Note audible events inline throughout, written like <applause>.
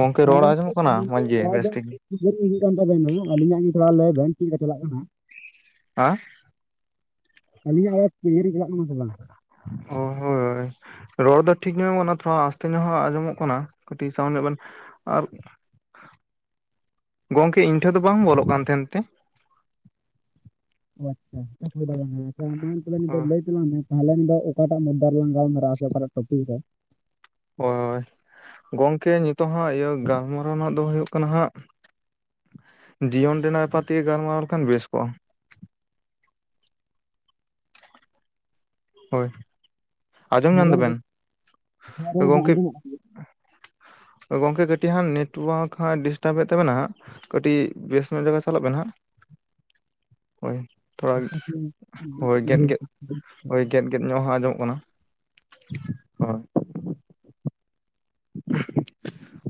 ᱜᱚᱢᱠᱮ ᱨᱚᱲ ᱟᱸᱡᱚᱢᱚᱜ ᱠᱟᱱᱟ ᱢᱚᱸᱡᱽ ᱜᱮ ᱵᱮᱥ ᱴᱷᱤᱠ <unintelligible> ᱦᱩᱭᱩᱜ ᱠᱟᱱ ᱛᱟᱵᱮᱱᱟ ᱟᱹᱞᱤᱧᱟᱜ ᱜᱮᱧ ᱛᱷᱚᱲᱟ ᱞᱟᱹᱭ ᱵᱮᱱ ᱪᱮᱫ ᱞᱮᱠᱟ ᱪᱟᱞᱟᱜ ᱠᱟᱱᱟ ᱦᱮᱸ ᱟᱹᱞᱤᱧᱟᱜ <inaudible> ᱪᱟᱞᱟᱜ ᱠᱟᱱᱟ ᱥᱮ ᱵᱟᱝ ᱚ ᱦᱳᱭ ᱨᱚᱲ ᱫᱚ ᱴᱷᱤᱠ ᱧᱚᱜ ᱛᱷᱚᱲᱟ ᱟᱥᱛᱮ ᱧᱚᱜ ᱟᱸᱡᱚᱢᱚᱜ ᱠᱟᱱᱟ ᱠᱟᱹᱴᱤᱡ ᱥᱟᱣᱩᱱ ᱧᱚᱜ <unintelligible> ᱜᱚᱝᱠᱮ ᱤᱧ ᱴᱷᱮᱱ ᱫᱚ ᱵᱟᱝ ᱵᱚᱞᱚᱜ ᱠᱟᱱ ᱛᱟᱦᱮᱱ ᱛᱮ ᱚ ᱟᱪᱪᱷᱟ ᱵᱟᱝ ᱟᱪᱪᱷᱟ ᱢᱟ ᱛᱟᱦᱚᱞᱮ ᱞᱟᱹᱭ ᱛᱟᱞᱟ ᱢᱮ ᱛᱟᱦᱚᱞᱮ ᱱᱚᱰᱮ ᱚᱠᱟᱴᱟᱜ ᱢᱩᱫᱫᱟ ᱨᱮ ᱞᱟᱝ ᱜᱟᱞᱢᱟᱨᱟᱣ-ᱟ ᱥᱮ ᱯᱟᱞᱮᱱ ᱴᱚᱯᱤᱠ ᱨᱮ ᱦᱳᱭ ᱜᱚᱝᱠᱮ ᱱᱤᱛᱚᱜ ᱦᱟᱸᱜ ᱤᱭᱟᱹ ᱜᱟᱞᱢᱟᱨᱟᱣ ᱨᱮᱱᱟᱜ ᱫᱚ ᱦᱩᱭᱩᱜ ᱠᱟᱱᱟ ᱦᱟᱸᱜ ᱡᱤᱭᱚᱱ ᱨᱮᱱᱟᱜ ᱵᱮᱯᱟᱨ ᱛᱮᱜᱮ ᱜᱟᱞᱢᱟᱨᱟᱣ ᱞᱮᱠᱷᱟᱱ ᱵᱮᱥ ᱠᱚᱜ-ᱟ ᱦᱳᱭ ᱟᱸᱡᱚᱢ ᱤᱧᱟᱜ ᱧᱟᱢ ᱨᱚᱲ ᱫᱚ ᱫᱟᱵᱮᱱ ᱤᱧᱟᱜ ᱨᱚᱲ ᱫᱚ ᱜᱚᱝᱠᱮ ᱟᱸᱡᱚᱢᱚᱜ-ᱟ ᱜᱚᱝᱠᱮ ᱠᱟᱹᱴᱤᱡ ᱦᱟᱸᱜ ᱱᱮᱴᱳᱣᱟᱨᱠ ᱦᱟᱸᱜ ᱰᱤᱥᱴᱟᱵ ᱮᱫ ᱛᱟᱵᱮᱱᱟ ᱠᱟᱹᱴᱤᱡ ᱵᱮᱥ ᱧᱚᱜ ᱡᱟᱭᱜᱟ ᱪᱟᱞᱟᱜ ᱵᱮᱱ ᱦᱟᱸᱜ ᱦᱳᱭ ᱛᱷᱚᱲᱟ ᱟᱪᱪᱷᱟ ᱴᱷᱤᱠ ᱵᱮᱥ ᱦᱚᱭ ᱴᱷᱤᱠ ᱜᱮᱫ ᱵᱩᱡᱷᱟᱹᱣ ᱜᱮᱫ ᱠᱮᱫᱟ᱾ ᱦᱚᱭ ᱜᱮᱫ ᱜᱮᱫ ᱧᱚᱜ ᱟᱸᱡᱚᱢᱚᱜ ᱠᱟᱱᱟ ᱾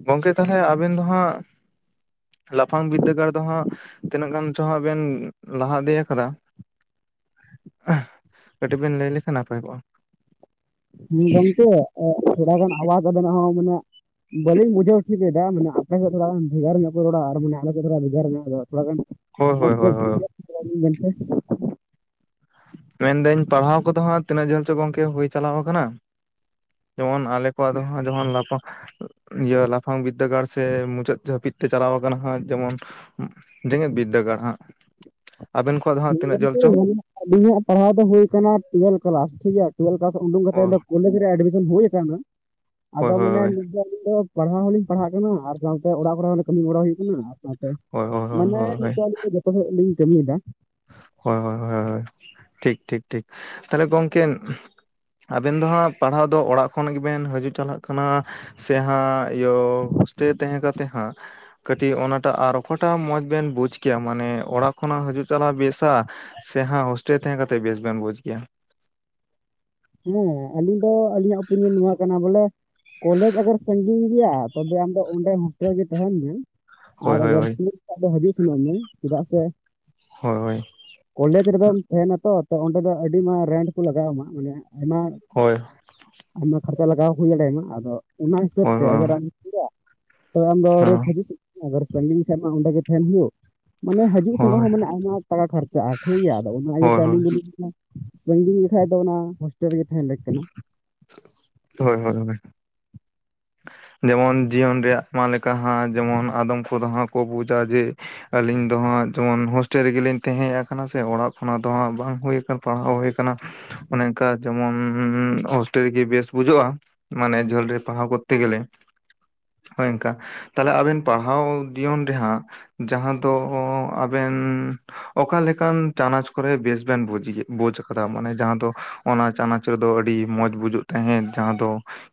ᱜᱚᱝᱠᱮ ᱛᱟᱦᱚᱞᱮ ᱟᱵᱮᱱ ᱫᱚ ᱦᱟᱸᱜᱼᱼ ᱞᱟᱯᱷᱟᱝ ᱵᱤᱫᱽᱫᱟᱹᱜᱟᱲ ᱫᱚ ᱦᱟᱸᱜᱼᱼ ᱛᱤᱱᱟᱹᱜ ᱜᱟᱱ ᱪᱚ ᱦᱟᱸᱜ ᱵᱮᱱ ᱞᱟᱦᱟ ᱤᱫᱤᱭᱟ ᱠᱟᱱᱟ ᱾ ᱠᱟᱹᱴᱤᱡ ᱵᱮᱱ ᱞᱟᱹᱭ ᱞᱮᱠᱷᱟᱱ ᱱᱟᱯᱟᱭ ᱠᱚᱜ-ᱟ ᱾ ᱦᱮᱸ ᱜᱚᱝᱠᱮ ᱛᱷᱚᱲᱟ ᱜᱟᱱ ᱟᱣᱟᱡ ᱟᱵᱮᱱᱟᱜ ᱦᱚᱸ ᱟᱵᱤᱱᱟᱜᱼᱼ ᱵᱟᱞᱤᱧ ᱢᱩᱡᱟᱹᱣ ᱦᱚᱪᱚ ᱞᱮᱫᱟ ᱢᱟᱱᱮ ᱟᱯᱮ ᱥᱮᱫ ᱯᱟᱞᱮᱱ ᱵᱷᱮᱜᱟᱨ ᱧᱚᱜᱼᱼ ᱨᱚᱲᱟ ᱟᱨ ᱢᱟᱱᱮ ᱟᱞᱮ ᱥᱮᱫ ᱫᱚ ᱱᱟᱜ ᱵᱷᱮᱜᱟᱨ ᱧᱚᱜ ᱜᱮᱭᱟ, ᱛᱷᱚᱲᱟ ᱜᱟᱱ ᱦᱳᱭ ᱢᱚᱡᱽ ᱦᱳᱭ ᱦᱳᱭ ᱦᱳᱭ ᱢᱚᱡᱽ <inaudible> ᱢᱮᱱᱫᱟᱹᱧ ᱯᱟᱲᱦᱟᱣ ᱠᱚᱫᱚ ᱦᱟᱸᱜ ᱛᱤᱱᱟᱹᱜ ᱡᱷᱟᱹᱞ ᱪᱚ ᱜᱚᱝᱠᱮ ᱦᱩᱭ ᱪᱟᱞᱟᱣ ᱟᱠᱟᱱᱟ ᱾ ᱡᱮᱢᱚᱱ ᱟᱞᱮ ᱠᱚᱣᱟᱜ ᱫᱚ ᱡᱮᱢᱚᱱ ᱞᱟᱯᱷᱟᱜᱼᱼ ᱤᱭᱟᱹ ᱞᱟᱯᱷᱟᱝ ᱵᱤᱫᱽᱫᱟᱹᱜᱟᱲ ᱥᱮ ᱢᱩᱪᱟᱹᱫ ᱦᱟᱹᱯᱤᱫ ᱛᱮ ᱪᱟᱞᱟᱣ ᱟᱠᱟᱱᱟ ᱦᱟᱸᱜ ᱡᱮᱢᱚᱱᱼᱼ ᱡᱮᱜᱮᱛ ᱵᱤᱫᱽᱫᱟᱹᱜᱟᱲ ᱦᱟᱸᱜ ᱟᱵᱮᱱᱼᱼ ᱦᱮᱸ ᱜᱚᱢᱠᱮ <unintelligible> ᱤᱞᱤᱧᱟᱜ ᱯᱟᱲᱦᱟᱣ ᱫᱚ ᱦᱩᱭ ᱟᱠᱟᱱᱟ ᱴᱩᱭᱮᱞ ᱠᱞᱟᱥ ᱴᱷᱤᱠ ᱜᱮᱭᱟ, ᱴᱩᱭᱮᱞ ᱠᱞᱟᱥ ᱩᱰᱩᱠ ᱠᱟᱛᱮ ᱦᱳᱭ ᱠᱚᱞᱮᱡᱽ ᱨᱮ ᱮᱰᱢᱤᱼᱼ ᱦᱩᱭ ᱟᱠᱟᱱᱟ ᱦᱳᱭ ᱟᱫᱚ ᱢᱟᱱᱮ ᱦᱳᱭ ᱱᱤᱛ ᱫᱷᱟᱹᱵᱤᱡ ᱫᱚᱼᱼ ᱯᱟᱲᱦᱟᱣ ᱦᱚᱞᱤᱧ ᱯᱟᱲᱦᱟᱜ ᱠᱟᱱᱟ ᱟᱨ ᱥᱟᱶᱛᱮ ᱚᱲᱟᱜ ᱠᱚᱨᱮ ᱦᱚᱸ ᱠᱟᱹᱢᱤ ᱜᱚᱲᱚ ᱦᱩᱭᱩᱜ ᱠᱟᱱᱟ, ᱟᱨ ᱥᱟᱶᱛᱮᱼᱼ ᱦᱳᱭ ᱦᱳᱭ ᱦᱳᱭ ᱢᱟᱱᱮ ᱦᱳᱭ ᱱᱤᱛᱚᱜ ᱡᱚᱛᱚ ᱥᱮᱫ ᱞᱤᱧ ᱠᱟᱹᱢᱤᱭᱮᱫᱟ ᱾ ᱦᱚᱭ ᱦᱚᱭ ᱦᱚᱭ, ᱴᱷᱤᱠ ᱴᱷᱤᱠ ᱴᱷᱤᱠ ᱛᱟᱦᱞᱮ ᱜᱚᱢᱠᱮᱼᱼ ᱟᱵᱮᱱ ᱫᱚ ᱦᱟᱸᱜ ᱯᱟᱲᱦᱟᱣ ᱫᱚ ᱚᱲᱟᱜ ᱠᱷᱚᱱ ᱜᱮᱵᱮᱱ ᱦᱤᱡᱩᱜ ᱪᱟᱞᱟᱜ ᱠᱟᱱᱟ? ᱥᱮ ᱦᱟᱸᱜ ᱤᱭᱟᱹ ᱦᱳᱥᱴᱮᱞ ᱛᱟᱦᱮᱸ ᱠᱟᱛᱮ ᱦᱟᱸᱜ? ᱠᱟᱹᱴᱤᱡ ᱚᱱᱟᱴᱟᱜ ᱟᱨ ᱚᱠᱟᱴᱟᱜ ᱢᱚᱸᱡᱽ ᱵᱮᱱ ᱵᱩᱡᱽ ᱠᱮᱜᱼᱟ ᱢᱟᱱᱮ ᱚᱲᱟᱜ ᱠᱷᱚᱱᱟᱜ ᱦᱤᱡᱩᱜ ᱪᱟᱞᱟᱜ ᱵᱮᱥᱼᱼ ᱥᱮ ᱦᱟᱸᱜ ᱦᱳᱥᱴᱮᱞ ᱛᱟᱦᱮᱸ ᱠᱟᱛᱮ ᱵᱮᱥ ᱵᱮᱱ ᱵᱩᱡᱽ ᱜᱮᱭᱟ? ᱦᱮᱸ ᱟᱹᱞᱤᱧ ᱫᱚ ᱟᱹᱞᱤᱧᱟᱜ ᱳᱯᱤᱱᱤᱭᱚᱱ ᱱᱚᱣᱟ ᱠᱟᱱᱟ ᱵᱚᱞᱮᱼᱼ ᱠᱚᱞᱮᱡᱽ ᱟᱜᱟᱨ ᱥᱟᱜᱤᱧ ᱜᱮᱭᱟ ᱛᱚᱵᱮ ᱟᱢᱫᱚ ᱚᱸᱰᱮ ᱦᱳᱥᱴᱮᱞ ᱜᱮ ᱛᱟᱦᱮᱱ ᱢᱮ ᱾ ᱦᱳᱭ ᱟᱨ ᱦᱳᱭ ᱟᱜᱟᱨ ᱦᱳᱭ ᱥᱩᱨ ᱠᱷᱟᱱ ᱫᱚ ᱦᱩᱫᱤᱥ ᱱᱚᱜ ᱢᱮ ᱪᱮᱫᱟᱜ ᱥᱮᱼᱼ ᱦᱚᱭ ᱳᱭ ᱠᱚᱞᱮᱡᱽ ᱨᱮᱫᱚᱢ ᱛᱟᱦᱮᱱᱟᱛᱚ ᱛᱚ ᱚᱸᱰᱮ ᱫᱚ ᱟᱹᱰᱤ ᱢᱟᱨᱟᱝ ᱨᱮᱱᱴ ᱠᱚ ᱞᱟᱜᱟᱣ ᱟᱢᱟ ᱾ ᱢᱟᱱᱮᱼᱼ ᱟᱭᱢᱟ ᱦᱳᱭ ᱟᱭᱢᱟ ᱠᱷᱚᱨᱪᱟ ᱞᱟᱜᱟᱣ ᱦᱩᱭ ᱫᱟᱲᱮᱭᱟᱢᱟ, ᱟᱫᱚ ᱚᱱᱟ ᱦᱤᱥᱟᱹᱵ ᱦᱳᱭ ᱦᱳᱭ ᱛᱮ ᱦᱳᱭ ᱟᱜᱟᱨ ᱟᱢᱼᱼ ᱴᱷᱤᱠᱭᱟ, ᱛᱚᱵ ᱟᱢᱫᱚ ᱨᱳᱡ ᱦᱤᱡᱩᱜ ᱥᱮ ᱚᱜᱚᱨ ᱥᱟᱺᱜᱤᱧ ᱠᱷᱟᱱ ᱢᱟ ᱚᱸᱰᱮ ᱜᱮ ᱛᱟᱦᱮᱱ ᱦᱩᱭᱩᱜ ᱾ ᱢᱟᱱᱮ ᱦᱤᱡᱩᱜ ᱥᱮᱱᱚᱜ ᱦᱳᱭ ᱦᱚᱸ ᱢᱟᱱᱮ ᱟᱭᱢᱟ ᱴᱟᱠᱟ ᱠᱷᱚᱨᱪᱟᱜᱼᱟ ᱴᱷᱤᱠᱜᱮᱭᱟ, ᱟᱫᱚ ᱚᱱᱟ ᱦᱳᱭ ᱤᱭᱟᱹᱛᱮ ᱟᱹᱞᱤᱧ ᱦᱳᱭ ᱫᱚᱞᱤᱧᱼᱼ ᱥᱟᱺᱜᱤᱧ ᱞᱮᱠᱷᱟᱡ ᱫᱚ ᱚᱱᱟ ᱦᱳᱥᱴᱮᱞ ᱨᱮᱜᱮ ᱛᱟᱦᱮᱱ ᱞᱟ. ᱠ ᱠᱟᱱᱟ ᱾ ᱦᱚᱭ ᱦᱚᱭ ᱚᱱᱟᱼᱼ ᱡᱮᱢᱚᱱ ᱡᱤᱭᱚᱱ ᱨᱮᱭᱟᱜ ᱟᱭᱢᱟ ᱞᱮᱠᱟ ᱡᱮᱢᱚᱱ ᱟᱫᱚᱢ ᱠᱚᱫᱚ ᱦᱟᱸᱜ ᱠᱚ ᱵᱩᱡᱟ ᱡᱮᱼᱼ ᱟᱹᱞᱤᱧ ᱫᱚ ᱦᱟᱸᱜ ᱡᱮᱢᱚᱱ ᱦᱳᱥᱴᱮᱞ ᱨᱮᱜᱮ ᱞᱤᱧ ᱛᱟᱦᱮᱸ ᱠᱟᱱᱟ ᱥᱮ ᱚᱲᱟᱜ ᱠᱷᱚᱱᱟᱜ ᱫᱚ ᱦᱟᱸᱜ ᱵᱟᱝ ᱦᱩᱭ ᱠᱟᱱᱟ ᱾ ᱵᱟᱝ ᱚᱠ ᱦᱩᱭ ᱠᱟᱱᱟ ᱾ ᱚᱱᱮ ᱚᱱᱠᱟ ᱡᱮᱢᱚᱱ ᱦᱚᱥᱴᱮᱞ ᱨᱮᱜᱤ ᱵᱮᱥ ᱵᱩᱡᱟᱹᱜᱼᱟ, ᱢᱟᱱᱮ ᱡᱷᱟᱹᱞ ᱨᱮ ᱯᱟᱲᱦᱟᱣ ᱠᱚᱼᱼ ᱛᱮ ᱜᱮᱞᱮ ᱚᱱᱮ ᱚᱱᱠᱟ ᱛᱟᱦᱞᱮ ᱟᱵᱮᱱ ᱯᱟᱲᱦᱟᱣ ᱡᱤᱭᱚᱱ ᱨᱮᱦᱟᱸᱜᱼᱼ ᱡᱟᱦᱟᱸ ᱫᱚ ᱟᱵᱮᱱᱼᱼ ᱚᱠᱟ ᱞᱮᱠᱟᱱ ᱪᱟᱱᱟᱪ ᱠᱚᱨᱮ ᱵᱮᱥ ᱵᱮᱱ ᱵᱩᱡᱽ, ᱵᱩᱡᱽ ᱟᱠᱟᱫᱟ? ᱢᱟᱱᱮ ᱡᱟᱦᱟᱸ ᱫᱚᱼᱼ ᱚᱱᱟ ᱪᱟᱱᱟᱪ ᱨᱮᱫᱚ ᱟᱹᱰᱤ ᱢᱚᱸᱡᱽ ᱵᱩᱡᱩᱜ ᱛᱟᱦᱮᱸᱫ ᱡᱟᱦᱟᱸ ᱫᱚ